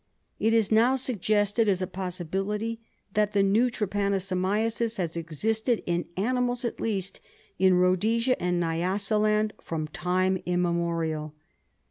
It is now suggested as a possibility that the new trypanosomiasis has existed, in animals at least, in Rhodesia and Nyasaland from time immemorial.